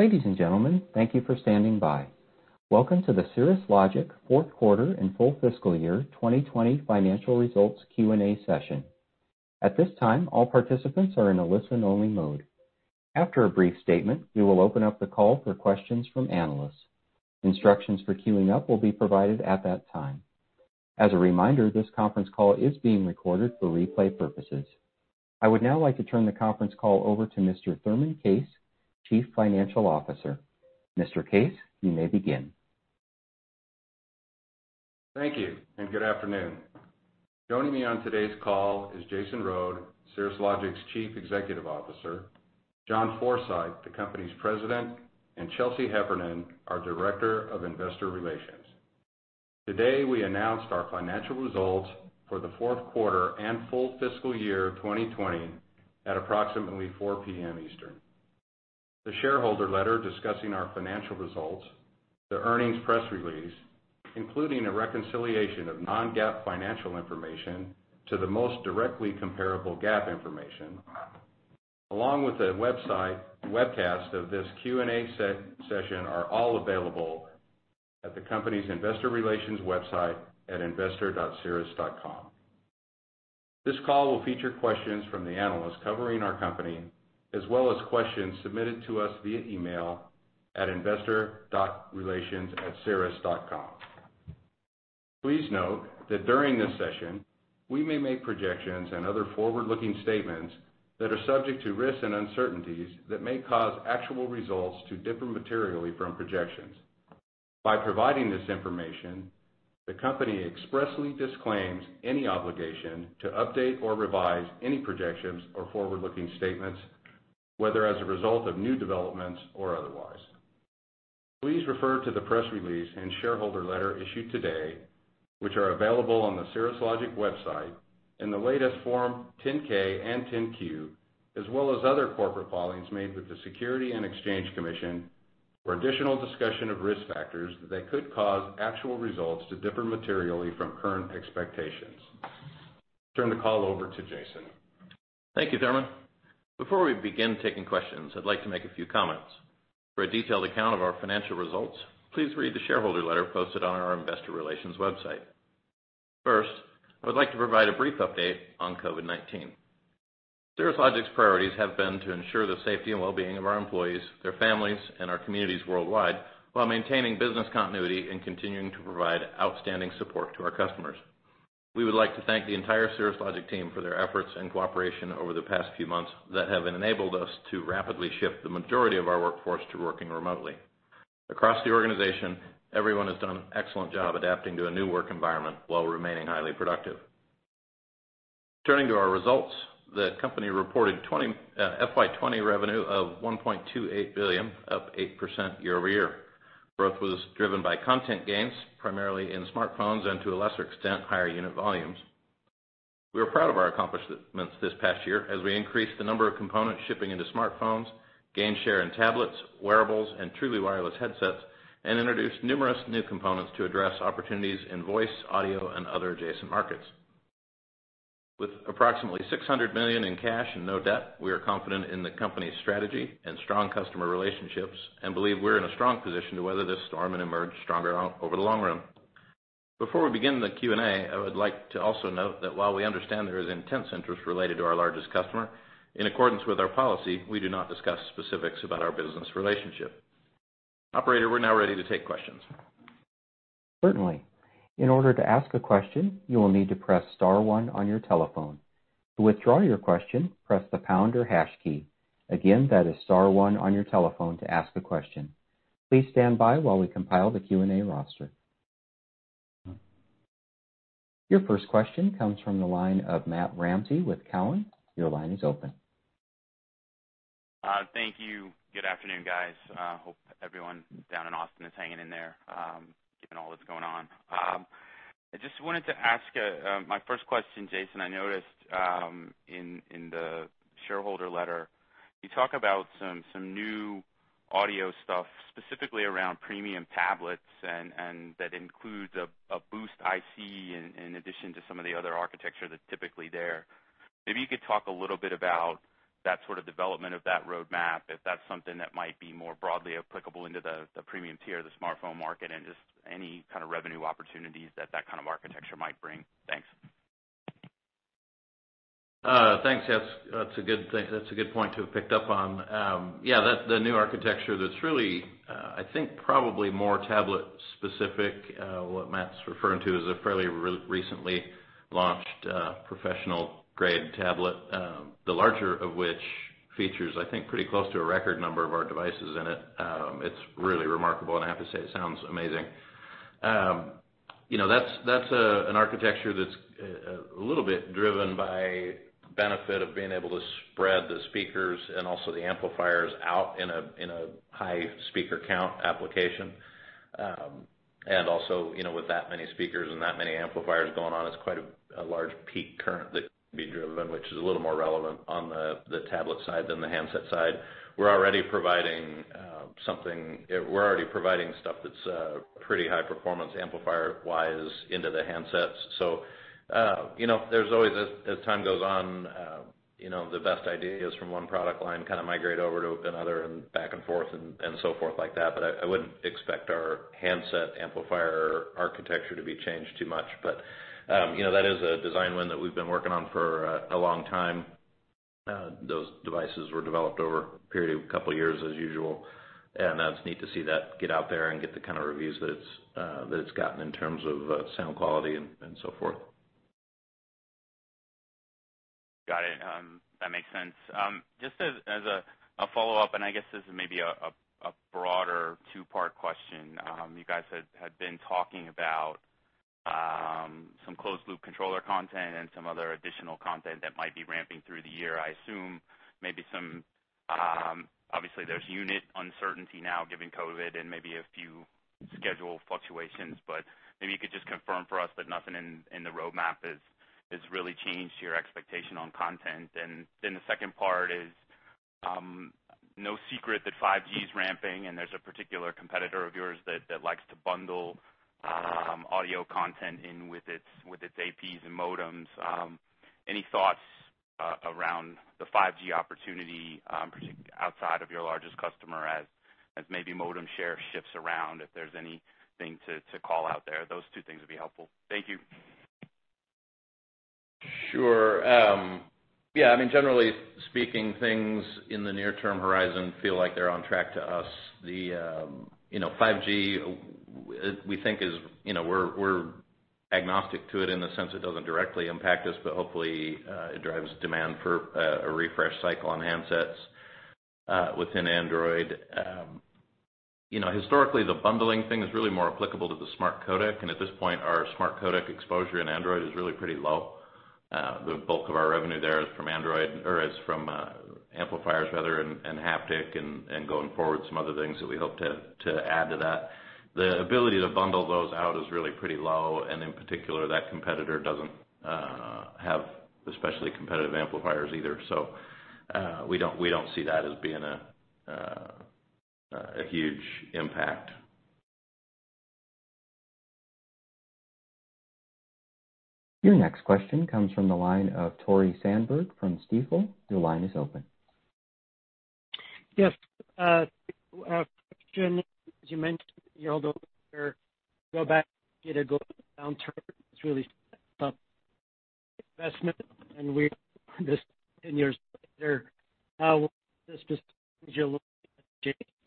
Ladies and gentlemen, thank you for standing by. Welcome to the Cirrus Logic fourth quarter and full fiscal year 2020 financial results Q&A session. At this time, all participants are in a listen-only mode. After a brief statement, we will open up the call for questions from analysts. Instructions for queuing up will be provided at that time. As a reminder, this conference call is being recorded for replay purposes. I would now like to turn the conference call over to Mr. Thurman Case, Chief Financial Officer. Mr. Case, you may begin. Thank you and good afternoon. Joining me on today's call is Jason Rhode, Cirrus Logic's Chief Executive Officer, John Forsyth, the company's president, and Chelsea Heffernan, our Director of Investor Relations. Today, we announced our financial results for the fourth quarter and full fiscal year 2020 at approximately 4:00 P.M. Eastern. The shareholder letter discussing our financial results, the earnings press release, including a reconciliation of non-GAAP financial information to the most directly comparable GAAP information, along with the website webcast of this Q&A session, are all available at the company's Investor Relations website at investor.cirrus.com. This call will feature questions from the analysts covering our company, as well as questions submitted to us via email at investor.relations@cirrus.com. Please note that during this session, we may make projections and other forward-looking statements that are subject to risks and uncertainties that may cause actual results to differ materially from projections. By providing this information, the company expressly disclaims any obligation to update or revise any projections or forward-looking statements, whether as a result of new developments or otherwise. Please refer to the press release and shareholder letter issued today, which are available on the Cirrus Logic website in the latest Form 10-K and 10-Q, as well as other corporate filings made with the Securities and Exchange Commission for additional discussion of risk factors that could cause actual results to differ materially from current expectations. Turn the call over to Jason. Thank you, Thurman. Before we begin taking questions, I'd like to make a few comments. For a detailed account of our financial results, please read the shareholder letter posted on our Investor Relations website. First, I would like to provide a brief update on COVID-19. Cirrus Logic's priorities have been to ensure the safety and well-being of our employees, their families, and our communities worldwide while maintaining business continuity and continuing to provide outstanding support to our customers. We would like to thank the entire Cirrus Logic team for their efforts and cooperation over the past few months that have enabled us to rapidly shift the majority of our workforce to working remotely. Across the organization, everyone has done an excellent job adapting to a new work environment while remaining highly productive. Turning to our results, the company reported FY 2020 revenue of $1.28 billion, up 8% year-over-year. Growth was driven by content gains, primarily in smartphones and, to a lesser extent, higher unit volumes. We are proud of our accomplishments this past year as we increased the number of components shipping into smartphones, gained share in tablets, wearables, and truly wireless headsets, and introduced numerous new components to address opportunities in voice, audio, and other adjacent markets. With approximately $600 million in cash and no debt, we are confident in the company's strategy and strong customer relationships and believe we're in a strong position to weather this storm and emerge stronger over the long run. Before we begin the Q&A, I would like to also note that while we understand there is intense interest related to our largest customer, in accordance with our policy, we do not discuss specifics about our business relationship. Operator, we're now ready to take questions. Certainly. In order to ask a question, you will need to press star one on your telephone. To withdraw your question, press the pound or hash key. Again, that is star one on your telephone to ask a question. Please stand by while we compile the Q&A roster. Your first question comes from the line of Matt Ramsay with Cowen. Your line is open. Thank you. Good afternoon, guys. Hope everyone down in Austin is hanging in there given all that's going on. I just wanted to ask my first question, Jason. I noticed in the shareholder letter you talk about some new audio stuff, specifically around premium tablets, and that includes a boost IC in addition to some of the other architecture that's typically there. Maybe you could talk a little bit about that sort of development of that roadmap, if that's something that might be more broadly applicable into the premium tier of the smartphone market and just any kind of revenue opportunities that that kind of architecture might bring. Thanks. Thanks. That's a good point to have picked up on. Yeah, the new architecture that's really, I think, probably more tablet-specific, what Matt's referring to as a fairly recently launched professional-grade tablet, the larger of which features, I think, pretty close to a record number of our devices in it. It's really remarkable, and I have to say it sounds amazing. That's an architecture that's a little bit driven by the benefit of being able to spread the speakers and also the amplifiers out in a high-speaker count application. With that many speakers and that many amplifiers going on, it's quite a large peak current that can be driven, which is a little more relevant on the tablet side than the handset side. We're already providing stuff that's pretty high-performance amplifier-wise into the handsets. So there's always, as time goes on, the best ideas from one product line kind of migrate over to another and back and forth and so forth like that. But I wouldn't expect our handset amplifier architecture to be changed too much. But that is a design win that we've been working on for a long time. Those devices were developed over a period of a couple of years, as usual, and it's neat to see that get out there and get the kind of reviews that it's gotten in terms of sound quality and so forth. Got it. That makes sense. Just as a follow-up, and I guess this is maybe a broader two-part question, you guys had been talking about some closed-loop controller content and some other additional content that might be ramping through the year. I assume maybe some obviously, there's unit uncertainty now given COVID and maybe a few schedule fluctuations. But maybe you could just confirm for us that nothing in the roadmap has really changed your expectation on content. And then the second part is no secret that 5G is ramping and there's a particular competitor of yours that likes to bundle audio content in with its APs and modems. Any thoughts around the 5G opportunity outside of your largest customer as maybe modem share shifts around, if there's anything to call out there? Those two things would be helpful. Thank you. Sure. Yeah. I mean, generally speaking, things in the near-term horizon feel like they're on track to us. The 5G, we think, is we're agnostic to it in the sense it doesn't directly impact us, but hopefully, it drives demand for a refresh cycle on handsets within Android. Historically, the bundling thing is really more applicable to the smart codec, and at this point, our smart codec exposure in Android is really pretty low. The bulk of our revenue there is from Android or is from amplifiers, rather, and haptics and going forward, some other things that we hope to add to that. The ability to bundle those out is really pretty low, and in particular, that competitor doesn't have especially competitive amplifiers either. So we don't see that as being a huge impact. Your next question comes from the line of Tore Svanberg from Stifel. Your line is open. Yes. As you mentioned, we're all going to go back to the downturn. It's really reminiscent, and we're just 10 years later. How is this business going to look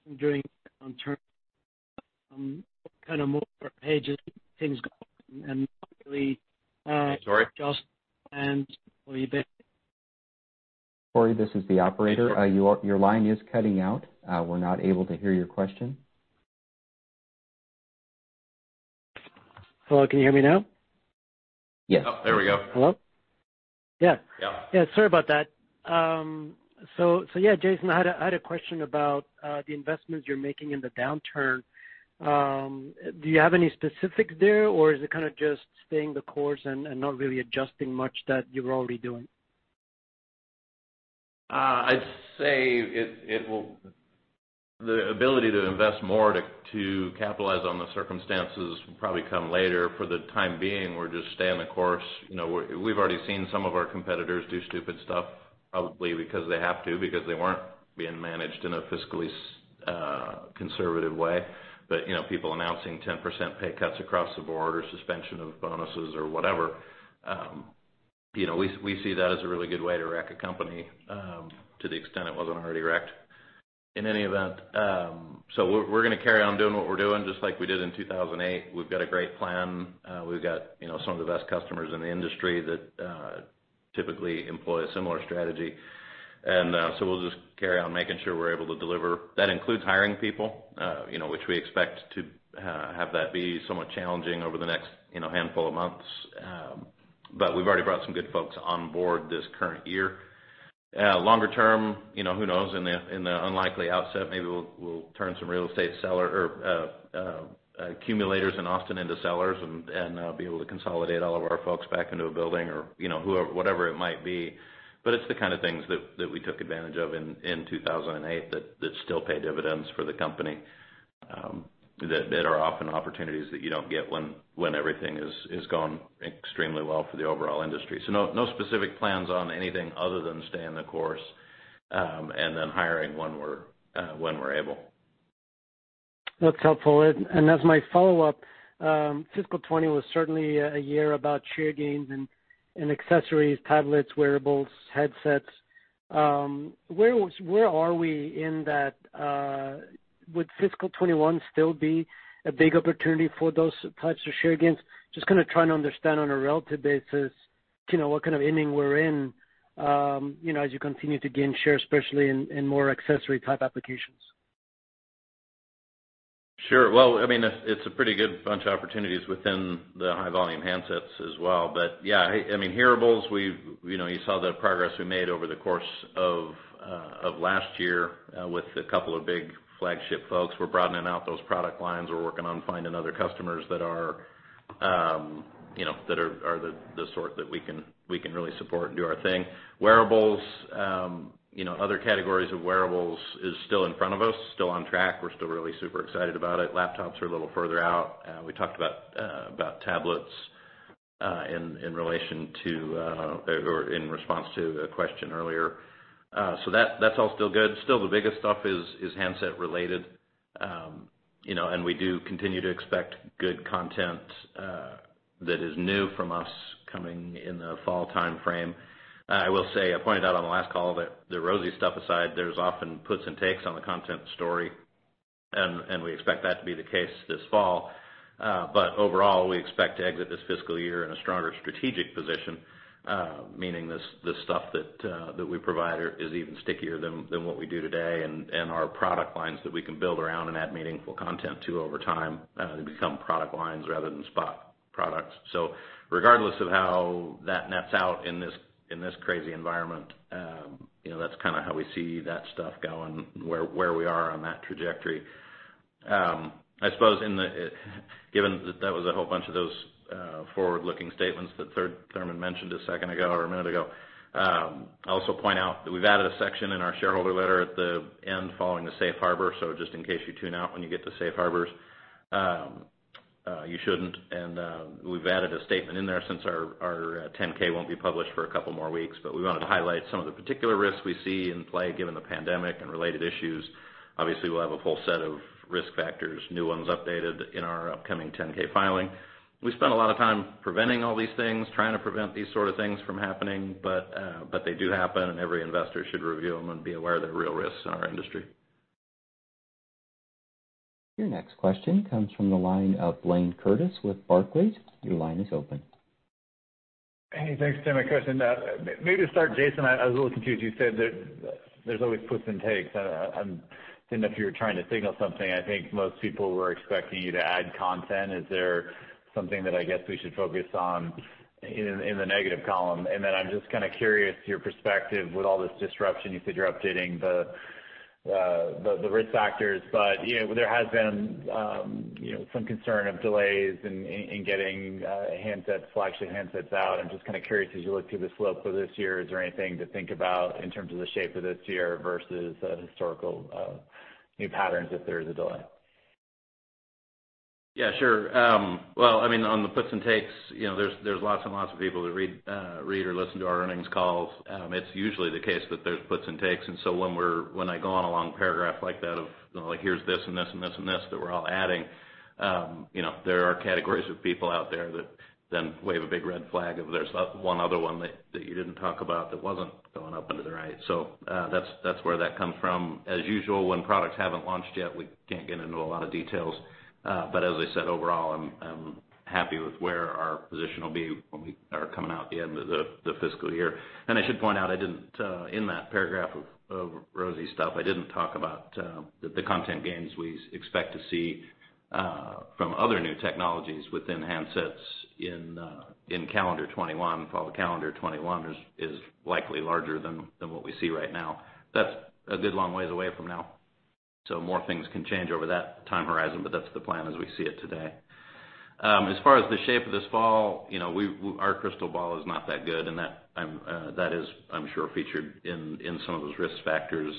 in the next downturn? What kind of more painful things go on, really. Sorry? Just and will you be? Tore, this is the operator. Your line is cutting out. We're not able to hear your question. Hello. Can you hear me now? Yes. Oh, there we go. Hello? Yeah. Yeah. Yeah. Sorry about that. So yeah, Jason, I had a question about the investments you're making in the downturn. Do you have any specifics there, or is it kind of just staying the course and not really adjusting much that you were already doing? I'd say the ability to invest more to capitalize on the circumstances will probably come later. For the time being, we're just staying the course. We've already seen some of our competitors do stupid stuff, probably because they have to, because they weren't being managed in a fiscally conservative way. But people announcing 10% pay cuts across the board or suspension of bonuses or whatever, we see that as a really good way to wreck a company to the extent it wasn't already wrecked. In any event, so we're going to carry on doing what we're doing just like we did in 2008. We've got a great plan. We've got some of the best customers in the industry that typically employ a similar strategy. And so we'll just carry on making sure we're able to deliver. That includes hiring people, which we expect to have that be somewhat challenging over the next handful of months. But we've already brought some good folks on board this current year. Longer term, who knows? In the unlikely event, maybe we'll turn some real estate seller or accumulators in Austin into sellers and be able to consolidate all of our folks back into a building or whatever it might be. But it's the kind of things that we took advantage of in 2008 that still pay dividends for the company that are often opportunities that you don't get when everything has gone extremely well for the overall industry. So no specific plans on anything other than staying the course and then hiring when we're able. That's helpful. And as my follow-up, fiscal 2020 was certainly a year about share gains and accessories, tablets, wearables, headsets. Where are we in that? Would fiscal 2021 still be a big opportunity for those types of share gains? Just kind of trying to understand on a relative basis what kind of ending we're in as you continue to gain share, especially in more accessory-type applications. Sure. Well, I mean, it's a pretty good bunch of opportunities within the high-volume handsets as well. But yeah, I mean, hearables, you saw the progress we made over the course of last year with a couple of big flagship folks. We're broadening out those product lines. We're working on finding other customers that are the sort that we can really support and do our thing. Wearables, other categories of wearables are still in front of us, still on track. We're still really super excited about it. Laptops are a little further out. We talked about tablets in relation to or in response to a question earlier. So that's all still good. Still, the biggest stuff is handset-related, and we do continue to expect good content that is new from us coming in the fall timeframe. I will say, I pointed out on the last call that the rosy stuff aside, there's often puts and takes on the content story, and we expect that to be the case this fall. But overall, we expect to exit this fiscal year in a stronger strategic position, meaning the stuff that we provide is even stickier than what we do today and our product lines that we can build around and add meaningful content to over time to become product lines rather than spot products. So regardless of how that nets out in this crazy environment, that's kind of how we see that stuff going, where we are on that trajectory. I suppose, given that that was a whole bunch of those forward-looking statements that Thurman mentioned a second ago or a minute ago, I'll also point out that we've added a section in our shareholder letter at the end following the safe harbor, so just in case you tune out when you get to safe harbors, you shouldn't, and we've added a statement in there since our 10-K won't be published for a couple more weeks, but we wanted to highlight some of the particular risks we see in play given the pandemic and related issues. Obviously, we'll have a full set of risk factors, new ones updated in our upcoming 10-K filing. We spend a lot of time preventing all these things, trying to prevent these sort of things from happening, but they do happen, and every investor should review them and be aware of their real risks in our industry. Your next question comes from the line of Blayne Curtis with Barclays. Your line is open. Hey, thanks, team. A question. Maybe to start, Jason, I was a little confused. You said that there's always puts and takes. I didn't know if you were trying to signal something. I think most people were expecting you to add content. Is there something that I guess we should focus on in the negative column? And then I'm just kind of curious your perspective with all this disruption. You said you're updating the risk factors, but there has been some concern of delays in getting flagship handsets out. I'm just kind of curious, as you look through the slope of this year, is there anything to think about in terms of the shape of this year versus historical new patterns if there is a delay? Yeah, sure. Well, I mean, on the puts and takes, there's lots and lots of people that read or listen to our earnings calls. It's usually the case that there's puts and takes. And so when I go on a long paragraph like that of, "Here's this and this and this and this that we're all adding," there are categories of people out there that then wave a big red flag of there's one other one that you didn't talk about that wasn't going up and to the right. So that's where that comes from. As usual, when products haven't launched yet, we can't get into a lot of details. But as I said, overall, I'm happy with where our position will be when we are coming out at the end of the fiscal year. I should point out, in that paragraph of rosy stuff, I didn't talk about the content gains we expect to see from other new technologies within handsets in calendar 2021. Fall calendar 2021 is likely larger than what we see right now. That's a good long ways away from now. So more things can change over that time horizon, but that's the plan as we see it today. As far as the shape of this fall, our crystal ball is not that good, and that is, I'm sure, featured in some of those risk factors.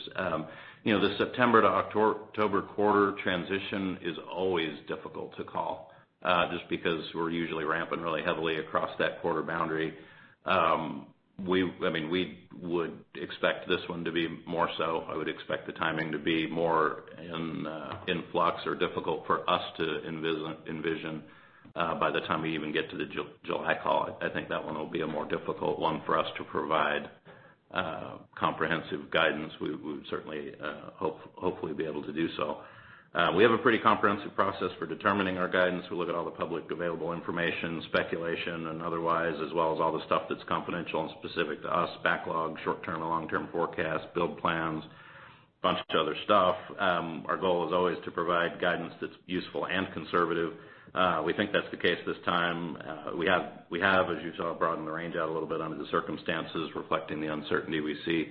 The September to October quarter transition is always difficult to call just because we're usually ramping really heavily across that quarter boundary. I mean, we would expect this one to be more so. I would expect the timing to be more in flux or difficult for us to envision by the time we even get to the July call. I think that one will be a more difficult one for us to provide comprehensive guidance. We would certainly hopefully be able to do so. We have a pretty comprehensive process for determining our guidance. We look at all the public available information, speculation and otherwise, as well as all the stuff that's confidential and specific to us: backlog, short-term and long-term forecast, build plans, a bunch of other stuff. Our goal is always to provide guidance that's useful and conservative. We think that's the case this time. We have, as you saw, broadened the range out a little bit under the circumstances, reflecting the uncertainty we see.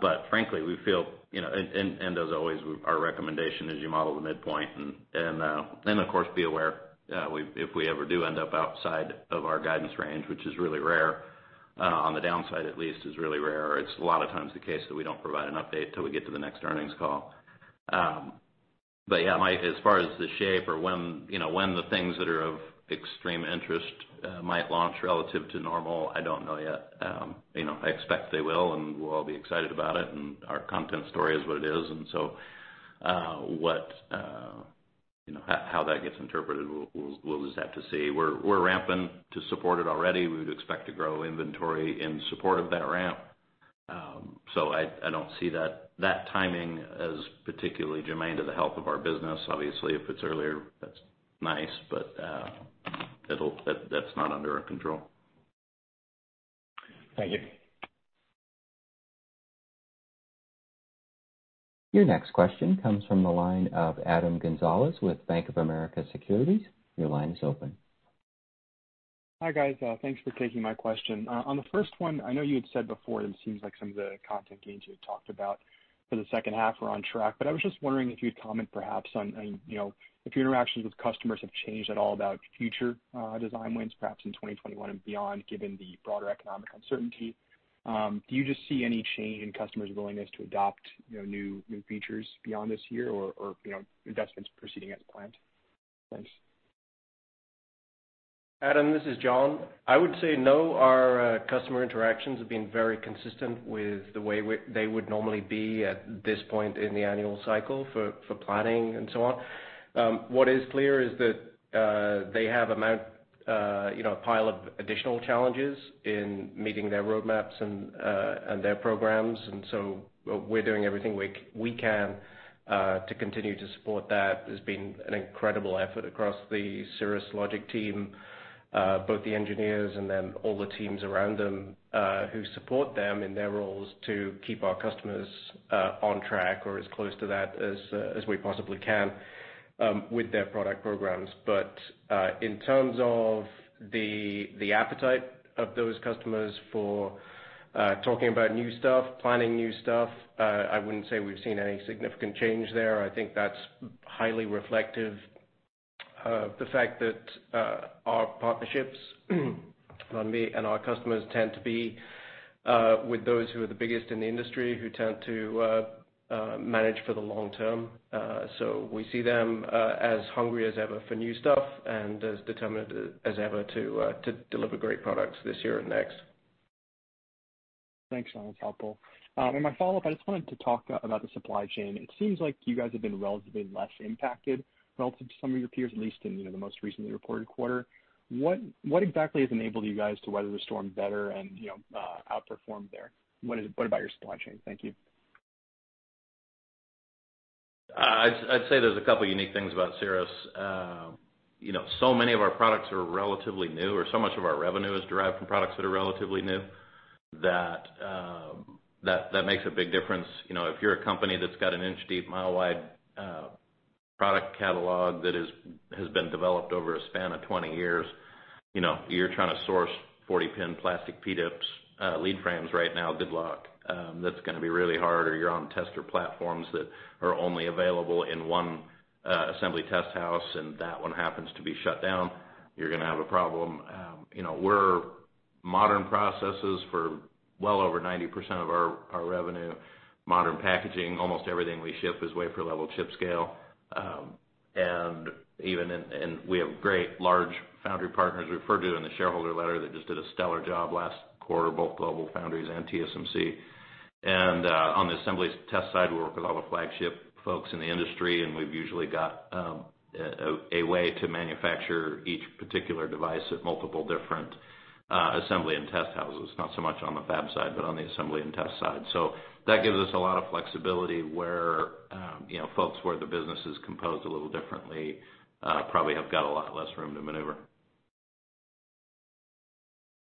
But frankly, we feel and as always, our recommendation is you model the midpoint and, of course, be aware if we ever do end up outside of our guidance range, which is really rare. On the downside, at least, is really rare. It's a lot of times the case that we don't provide an update until we get to the next earnings call. But yeah, as far as the shape or when the things that are of extreme interest might launch relative to normal, I don't know yet. I expect they will, and we'll all be excited about it. And our content story is what it is. And so how that gets interpreted, we'll just have to see. We're ramping to support it already. We would expect to grow inventory in support of that ramp. So I don't see that timing as particularly germane to the health of our business. Obviously, if it's earlier, that's nice, but that's not under our control. Thank you. Your next question comes from the line of Adam Gonzalez with Bank of America Securities. Your line is open. Hi, guys. Thanks for taking my question. On the first one, I know you had said before it seems like some of the content gains you had talked about for the second half were on track, but I was just wondering if you'd comment perhaps on if your interactions with customers have changed at all about future design wins, perhaps in 2021 and beyond, given the broader economic uncertainty. Do you just see any change in customers' willingness to adopt new features beyond this year or investments proceeding as planned? Thanks. Adam, this is John. I would say no. Our customer interactions have been very consistent with the way they would normally be at this point in the annual cycle for planning and so on. What is clear is that they have a pile of additional challenges in meeting their roadmaps and their programs, and so we're doing everything we can to continue to support that. There's been an incredible effort across the Cirrus Logic team, both the engineers and then all the teams around them who support them in their roles to keep our customers on track or as close to that as we possibly can with their product programs, but in terms of the appetite of those customers for talking about new stuff, planning new stuff, I wouldn't say we've seen any significant change there. I think that's highly reflective of the fact that our partnerships and our customers tend to be with those who are the biggest in the industry who tend to manage for the long term, so we see them as hungry as ever for new stuff and as determined as ever to deliver great products this year and next. Thanks. That's helpful. In my follow-up, I just wanted to talk about the supply chain. It seems like you guys have been relatively less impacted relative to some of your peers, at least in the most recently reported quarter. What exactly has enabled you guys to weather the storm better and outperform there? What about your supply chain? Thank you. I'd say there's a couple of unique things about Cirrus. So many of our products are relatively new, or so much of our revenue is derived from products that are relatively new, that makes a big difference. If you're a company that's got an inch-deep, mile-wide product catalog that has been developed over a span of 20 years, you're trying to source 40-pin plastic PDIPs, lead frames right now, good luck. That's going to be really hard. Or you're on tester platforms that are only available in one assembly test house, and that one happens to be shut down. You're going to have a problem. We're modern processes for well over 90% of our revenue, modern packaging. Almost everything we ship is wafer-level chip scale. We have great large foundry partners we refer to in the shareholder letter that just did a stellar job last quarter, both GlobalFoundries and TSMC. And on the assembly test side, we work with all the flagship folks in the industry, and we've usually got a way to manufacture each particular device at multiple different assembly and test houses, not so much on the fab side, but on the assembly and test side. So that gives us a lot of flexibility where folks the business is composed a little differently probably have got a lot less room to maneuver.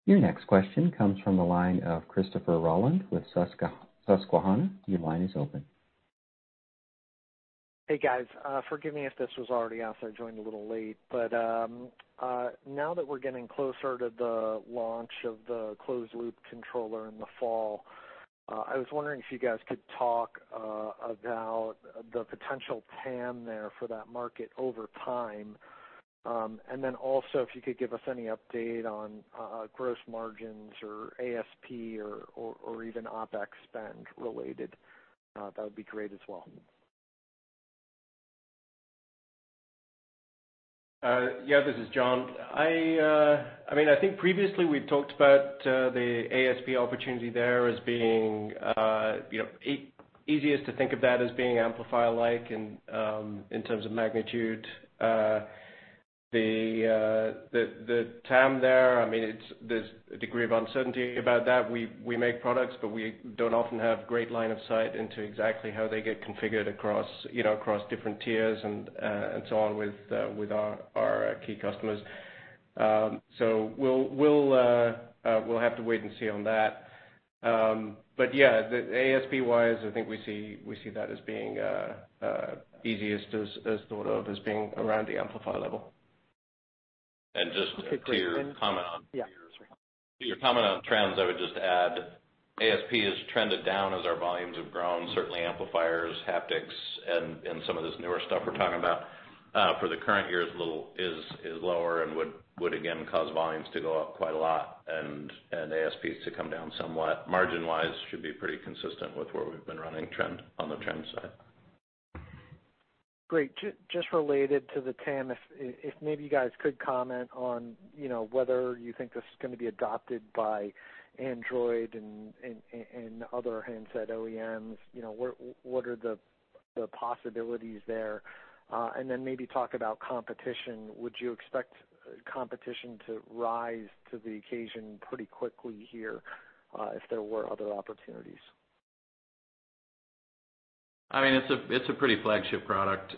Your next question comes from the line of Christopher Rolland with Susquehanna. Your line is open. Hey, guys. Forgive me if this was already out there. I joined a little late, but now that we're getting closer to the launch of the closed-loop controller in the fall, I was wondering if you guys could talk about the potential TAM there for that market over time. And then also, if you could give us any update on gross margins or ASP or even OpEx spend related, that would be great as well. Yeah, this is John. I mean, I think previously we talked about the ASP opportunity there as being easiest to think of that as being amplifier-like in terms of magnitude. The TAM there, I mean, there's a degree of uncertainty about that. We make products, but we don't often have great line of sight into exactly how they get configured across different tiers and so on with our key customers. So we'll have to wait and see on that. But yeah, the ASP-wise, I think we see that as being easiest as thought of as being around the amplifier level. And just to your comment on trends, I would just add ASP has trended down as our volumes have grown. Certainly, amplifiers, haptics, and some of this newer stuff we're talking about for the current year is lower and would, again, cause volumes to go up quite a lot and ASPs to come down somewhat. Margin-wise, it should be pretty consistent with where we've been running on the trend side. Great. Just related to the TAM, if maybe you guys could comment on whether you think this is going to be adopted by Android and other handset OEMs, what are the possibilities there, and then maybe talk about competition. Would you expect competition to rise to the occasion pretty quickly here if there were other opportunities? I mean, it's a pretty flagship product.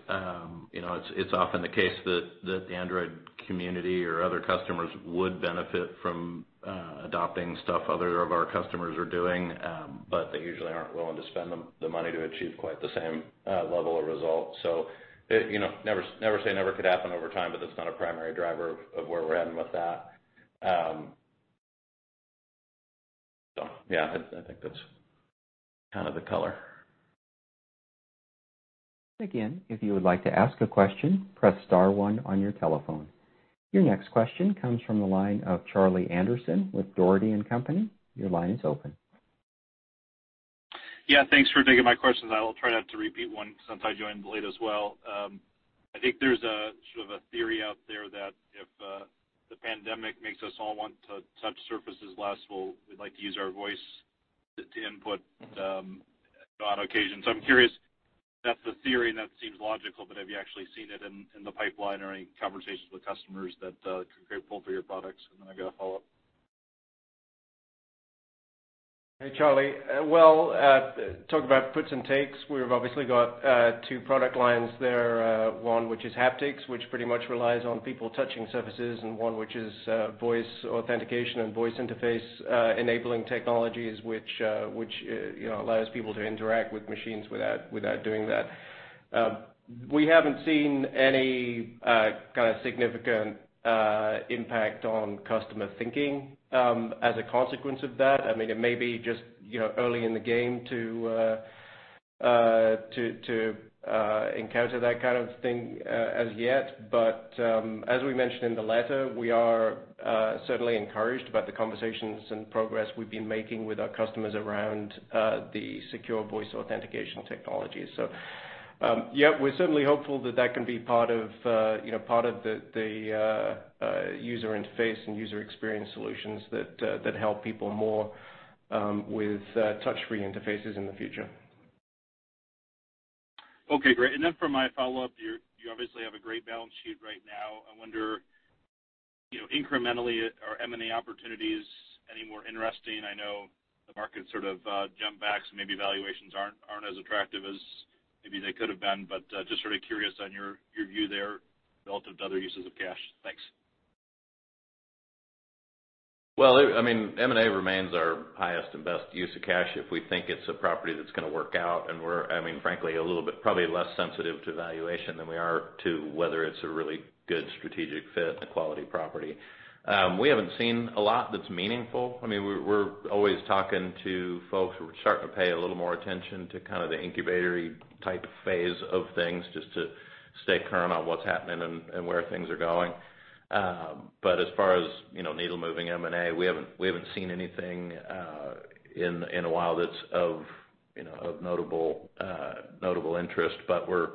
It's often the case that the Android community or other customers would benefit from adopting stuff other of our customers are doing, but they usually aren't willing to spend the money to achieve quite the same level of result. So never say never could happen over time, but that's not a primary driver of where we're heading with that. So yeah, I think that's kind of the color. Again, if you would like to ask a question, press star one on your telephone. Your next question comes from the line of Charles Anderson with Dougherty & Company. Your line is open. Yeah, thanks for taking my questions. I'll try not to repeat one since I joined late as well. I think there's sort of a theory out there that if the pandemic makes us all want to touch surfaces less, we'd like to use our voice to input on occasion. So I'm curious if that's the theory and that seems logical, but have you actually seen it in the pipeline or any conversations with customers that are critical for your products? And then I got a follow-up. Hey, Charlie. Talking about puts and takes, we've obviously got two product lines there. One which is haptics, which pretty much relies on people touching surfaces, and one which is voice authentication and voice interface enabling technologies, which allows people to interact with machines without doing that. We haven't seen any kind of significant impact on customer thinking as a consequence of that. I mean, it may be just early in the game to encounter that kind of thing as yet. As we mentioned in the letter, we are certainly encouraged about the conversations and progress we've been making with our customers around the secure voice authentication technologies. Yeah, we're certainly hopeful that that can be part of the user interface and user experience solutions that help people more with touch-free interfaces in the future. Okay, great. And then for my follow-up, you obviously have a great balance sheet right now. I wonder incrementally are M&A opportunities any more interesting? I know the market sort of jumped back, so maybe valuations aren't as attractive as maybe they could have been, but just sort of curious on your view there relative to other uses of cash. Thanks. I mean, M&A remains our highest and best use of cash if we think it's a property that's going to work out. And we're, I mean, frankly, a little bit probably less sensitive to valuation than we are to whether it's a really good strategic fit and a quality property. We haven't seen a lot that's meaningful. I mean, we're always talking to folks. We're starting to pay a little more attention to kind of the incubatory type phase of things just to stay current on what's happening and where things are going. But as far as needle-moving M&A, we haven't seen anything in a while that's of notable interest, but we're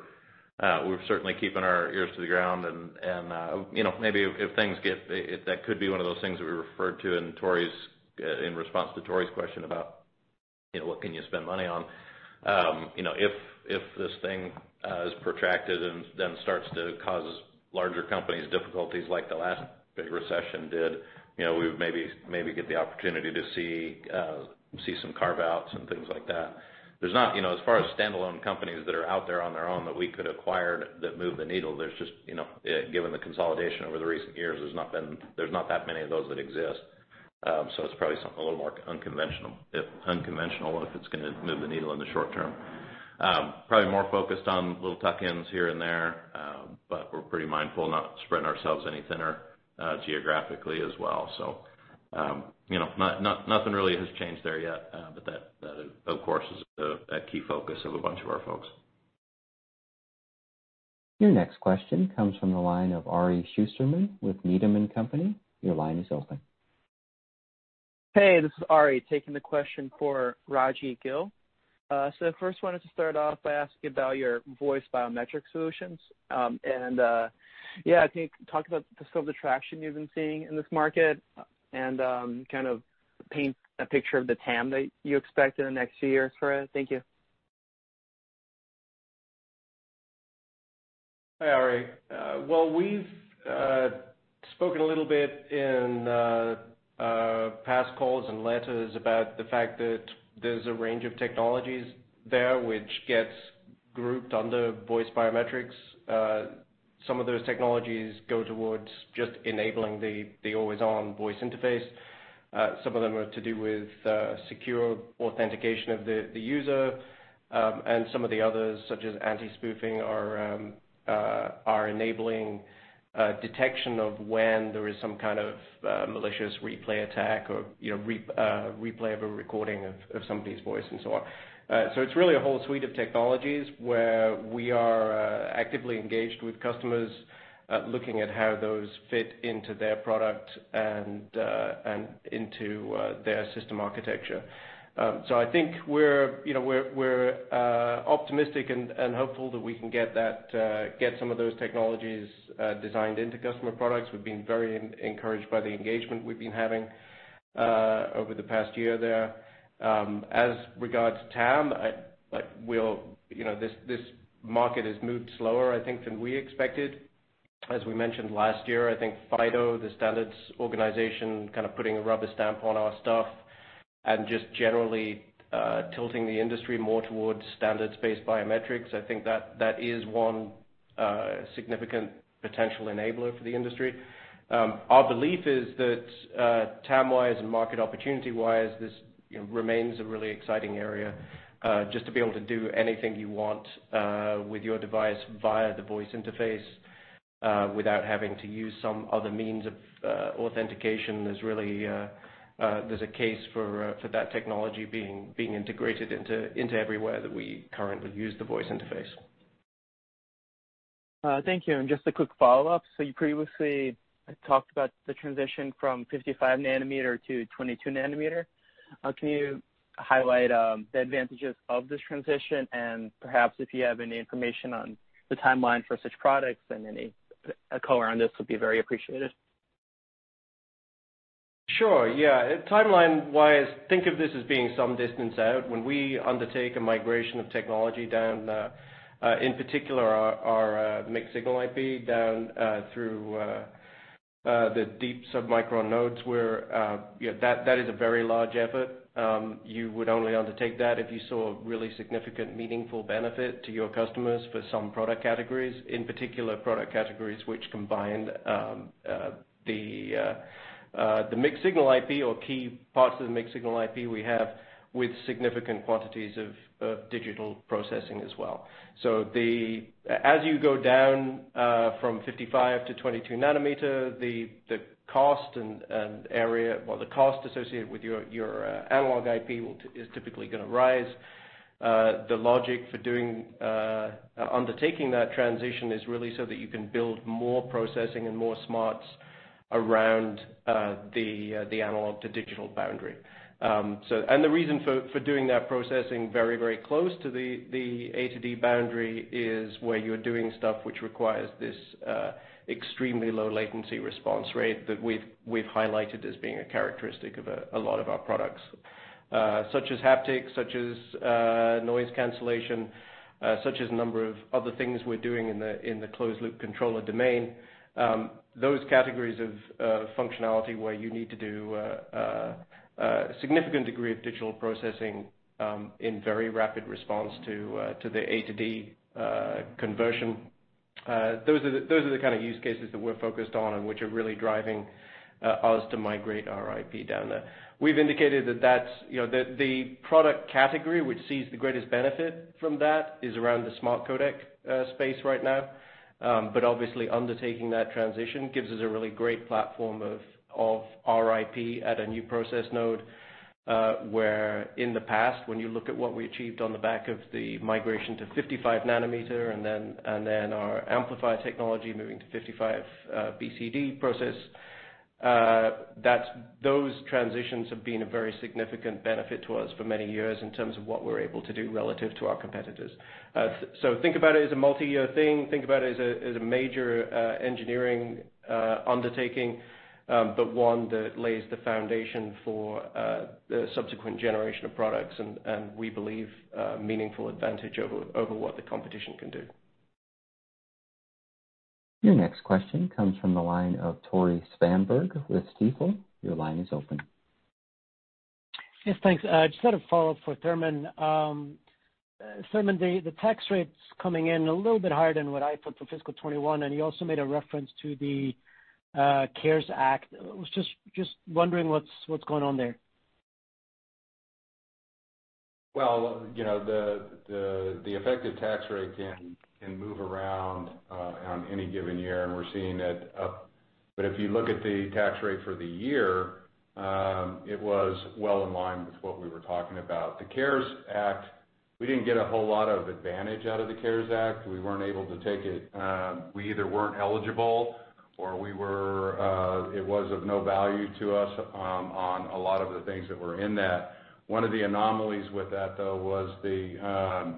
certainly keeping our ears to the ground. And maybe if things get that could be one of those things that we referred to in response to Tore's question about what can you spend money on. If this thing is protracted and then starts to cause larger companies difficulties like the last big recession did, we would maybe get the opportunity to see some carve-outs and things like that. There's not, as far as standalone companies that are out there on their own that we could acquire that move the needle, there's just, given the consolidation over the recent years, there's not that many of those that exist. So it's probably something a little more unconventional if it's going to move the needle in the short term. Probably more focused on little tuck-ins here and there, but we're pretty mindful of not spreading ourselves any thinner geographically as well. So nothing really has changed there yet, but that, of course, is a key focus of a bunch of our folks. Your next question comes from the line of Ari Shusterman with Needham & Company. Your line is open. Hey, this is Ari taking the question for Rajiv Gill. So first, I wanted to start off by asking about your voice biometric solutions. And yeah, can you talk about the sort of attraction you've been seeing in this market and kind of paint a picture of the TAM that you expect in the next few years for it? Thank you. Hi, Ari. Well, we've spoken a little bit in past calls and letters about the fact that there's a range of technologies there which gets grouped under voice biometrics. Some of those technologies go towards just enabling the always-on voice interface. Some of them are to do with secure authentication of the user. And some of the others, such as anti-spoofing, are enabling detection of when there is some kind of malicious replay attack or replay of a recording of somebody's voice and so on. So it's really a whole suite of technologies where we are actively engaged with customers looking at how those fit into their product and into their system architecture. So I think we're optimistic and hopeful that we can get some of those technologies designed into customer products. We've been very encouraged by the engagement we've been having over the past year there. As regards to TAM, this market has moved slower, I think, than we expected. As we mentioned last year, I think FIDO, the standards organization, kind of putting a rubber stamp on our stuff and just generally tilting the industry more towards standards-based biometrics, I think that is one significant potential enabler for the industry. Our belief is that TAM-wise and market opportunity-wise, this remains a really exciting area just to be able to do anything you want with your device via the voice interface without having to use some other means of authentication. There's a case for that technology being integrated into everywhere that we currently use the voice interface. Thank you. And just a quick follow-up. So you previously talked about the transition from 55 nanometer to 22 nanometer. Can you highlight the advantages of this transition? And perhaps if you have any information on the timeline for such products and any color on this, it would be very appreciated. Sure. Yeah. Timeline-wise, think of this as being some distance out when we undertake a migration of technology down, in particular, our mixed signal IP down through the deep submicron nodes where that is a very large effort. You would only undertake that if you saw a really significant, meaningful benefit to your customers for some product categories, in particular, product categories which combined the mixed signal IP or key parts of the mixed signal IP we have with significant quantities of digital processing as well. So as you go down from 55 to 22 nanometer, the cost and area well, the cost associated with your analog IP is typically going to rise. The logic for undertaking that transition is really so that you can build more processing and more smarts around the analog-to-digital boundary. And the reason for doing that processing very, very close to the A to D boundary is where you're doing stuff which requires this extremely low latency response rate that we've highlighted as being a characteristic of a lot of our products, such as haptics, such as noise cancellation, such as a number of other things we're doing in the closed-loop controller domain. Those categories of functionality where you need to do a significant degree of digital processing in very rapid response to the A to D conversion, those are the kind of use cases that we're focused on and which are really driving us to migrate our IP down there. We've indicated that the product category which sees the greatest benefit from that is around the smart codec space right now. But obviously, undertaking that transition gives us a really great platform of our IP at a new process node where in the past, when you look at what we achieved on the back of the migration to 55 nanometer and then our amplifier technology moving to 55 BCD process, those transitions have been a very significant benefit to us for many years in terms of what we're able to do relative to our competitors, so think about it as a multi-year thing. Think about it as a major engineering undertaking, but one that lays the foundation for the subsequent generation of products and we believe meaningful advantage over what the competition can do. Your next question comes from the line of Tore Svanberg with Stifel. Your line is open. Yes, thanks. Just had a follow-up for Thurman. Thurman, the tax rate's coming in a little bit higher than what I put for fiscal 2021. And you also made a reference to the CARES Act. I was just wondering what's going on there. The effective tax rate can move around on any given year, and we're seeing it up. But if you look at the tax rate for the year, it was well in line with what we were talking about. The CARES Act, we didn't get a whole lot of advantage out of the CARES Act. We weren't able to take it. We either weren't eligible or it was of no value to us on a lot of the things that were in that. One of the anomalies with that, though, was the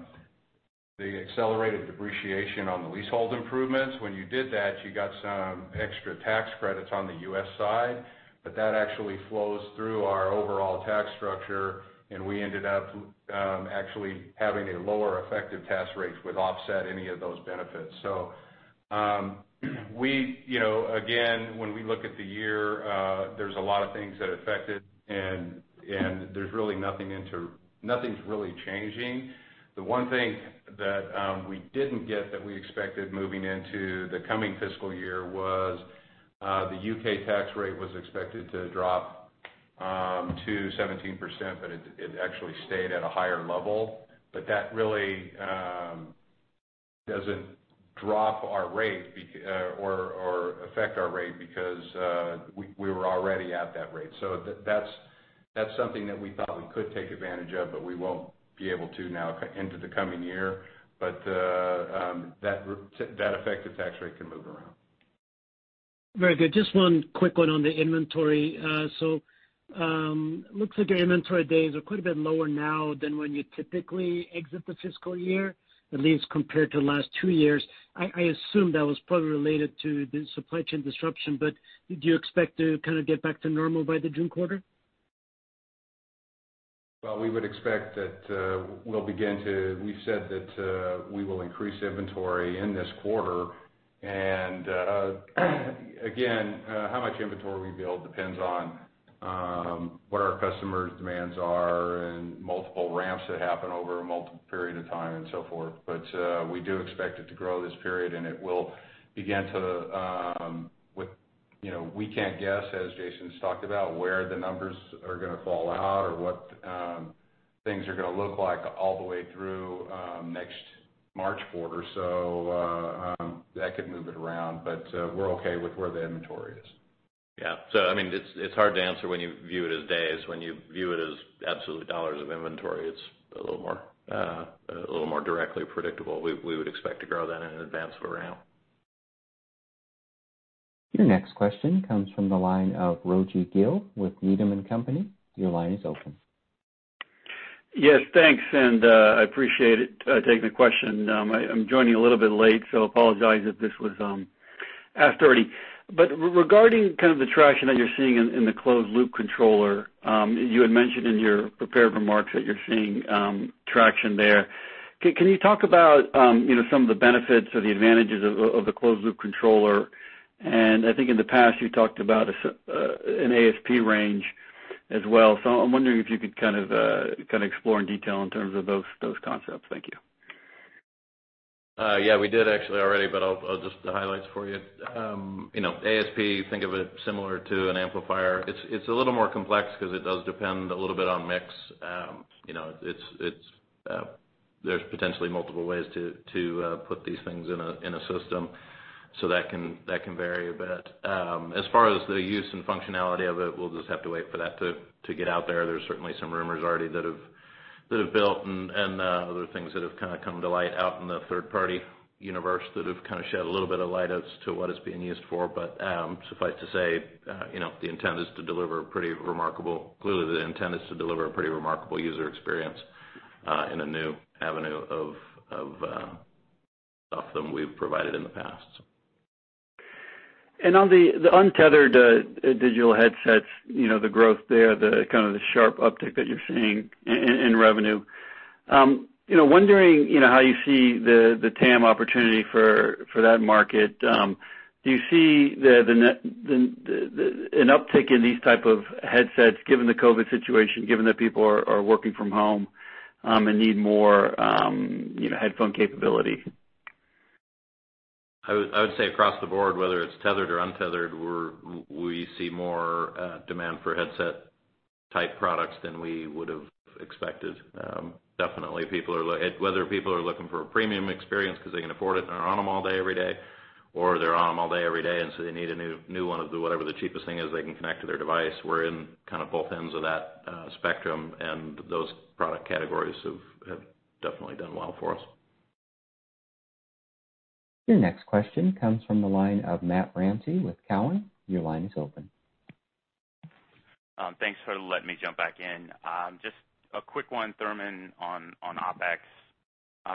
accelerated depreciation on the leasehold improvements. When you did that, you got some extra tax credits on the US side, but that actually flows through our overall tax structure. And we ended up actually having a lower effective tax rate with offset any of those benefits. So again, when we look at the year, there's a lot of things that affected, and there's really nothing's really changing. The one thing that we didn't get that we expected moving into the coming fiscal year was the U.K. tax rate was expected to drop to 17%, but it actually stayed at a higher level. But that really doesn't drop our rate or affect our rate because we were already at that rate. So that's something that we thought we could take advantage of, but we won't be able to now into the coming year. But that effective tax rate can move around. Very good. Just one quick one on the inventory. So it looks like your inventory days are quite a bit lower now than when you typically exit the fiscal year, at least compared to the last two years. I assume that was probably related to the supply chain disruption, but do you expect to kind of get back to normal by the June quarter? We would expect that we've said that we will increase inventory in this quarter. Again, how much inventory we build depends on what our customers' demands are and multiple ramps that happen over a multiple period of time and so forth. We do expect it to grow this period, and it will begin to. We can't guess, as Jason's talked about, where the numbers are going to fall out or what things are going to look like all the way through next March quarter. That could move it around, but we're okay with where the inventory is. Yeah. So I mean, it's hard to answer when you view it as days. When you view it as absolute dollars of inventory, it's a little more directly predictable. We would expect to grow that in advance of a ramp. Your next question comes from the line of Rajiv Gill with Needham & Company. Your line is open. Yes, thanks. And I appreciate taking the question. I'm joining a little bit late, so I apologize if this was asked already. But regarding kind of the traction that you're seeing in the closed-loop controller, you had mentioned in your prepared remarks that you're seeing traction there. Can you talk about some of the benefits or the advantages of the closed-loop controller? And I think in the past, you talked about an ASP range as well. So I'm wondering if you could kind of explore in detail in terms of those concepts. Thank you. Yeah, we did actually already, but I'll just highlight for you. ASP, think of it similar to an amplifier. It's a little more complex because it does depend a little bit on mix. There's potentially multiple ways to put these things in a system, so that can vary a bit. As far as the use and functionality of it, we'll just have to wait for that to get out there. There's certainly some rumors already that have built and other things that have kind of come to light out in the third-party universe that have kind of shed a little bit of light as to what it's being used for. But suffice to say, the intent is to deliver a pretty remarkable user experience in a new avenue of stuff than we've provided in the past. And on the untethered digital headsets, the growth there, kind of the sharp uptick that you're seeing in revenue. Wondering how you see the TAM opportunity for that market. Do you see an uptick in these type of headsets given the COVID situation, given that people are working from home and need more headphone capability? I would say across the board, whether it's tethered or untethered, we see more demand for headset-type products than we would have expected. Definitely, whether people are looking for a premium experience because they can afford it and are on them all day every day, or they're on them all day every day and so they need a new one of whatever the cheapest thing is they can connect to their device. We're in kind of both ends of that spectrum, and those product categories have definitely done well for us. Your next question comes from the line of Matt Ramsay with Cowen. Your line is open. Thanks for letting me jump back in. Just a quick one, Thurman, on OpEx.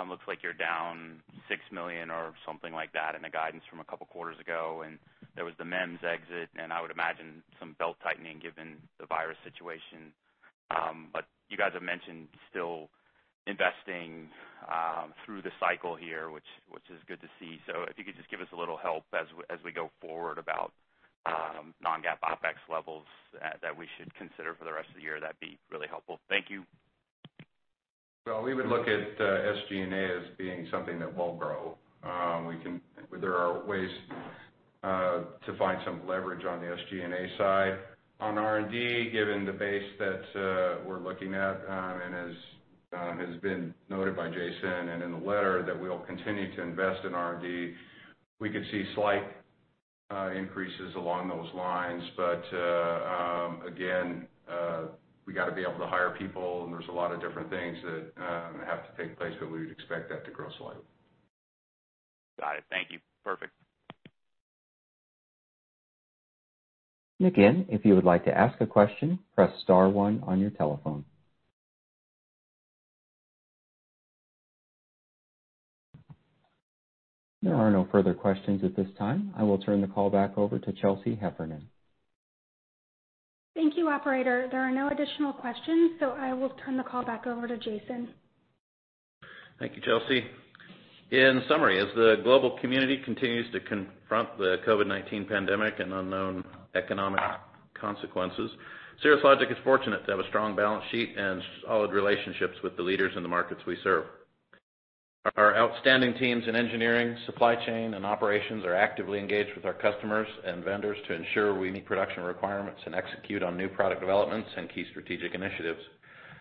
Looks like you're down $6 million or something like that in the guidance from a couple of quarters ago. And there was the MEMS exit, and I would imagine some belt tightening given the virus situation. But you guys have mentioned still investing through the cycle here, which is good to see. So if you could just give us a little help as we go forward about non-GAAP OpEx levels that we should consider for the rest of the year, that'd be really helpful. Thank you. We would look at SG&A as being something that will grow. There are ways to find some leverage on the SG&A side on R&D, given the base that we're looking at and as has been noted by Jason and in the letter that we'll continue to invest in R&D. We could see slight increases along those lines. But again, we got to be able to hire people, and there's a lot of different things that have to take place, but we would expect that to grow slightly. Got it. Thank you. Perfect. Again, if you would like to ask a question, press star one on your telephone. There are no further questions at this time. I will turn the call back over to Chelsea Heffernan. Thank you, Operator. There are no additional questions, so I will turn the call back over to Jason. Thank you, Chelsea. In summary, as the global community continues to confront the COVID-19 pandemic and unknown economic consequences, Cirrus Logic is fortunate to have a strong balance sheet and solid relationships with the leaders in the markets we serve. Our outstanding teams in engineering, supply chain, and operations are actively engaged with our customers and vendors to ensure we meet production requirements and execute on new product developments and key strategic initiatives.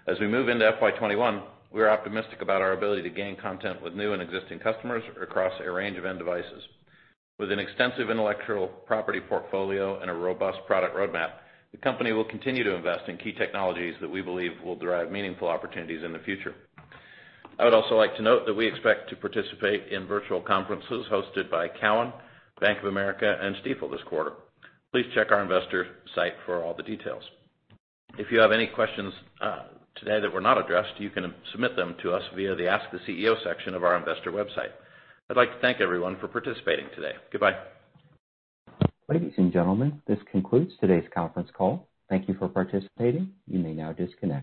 As we move into FY 2021, we are optimistic about our ability to gain content with new and existing customers across a range of end devices. With an extensive intellectual property portfolio and a robust product roadmap, the company will continue to invest in key technologies that we believe will derive meaningful opportunities in the future. I would also like to note that we expect to participate in virtual conferences hosted by Cowen, Bank of America, and Stifel this quarter. Please check our investor site for all the details. If you have any questions today that were not addressed, you can submit them to us via the Ask the CEO section of our investor website. I'd like to thank everyone for participating today. Goodbye. Ladies and gentlemen, this concludes today's conference call. Thank you for participating. You may now disconnect.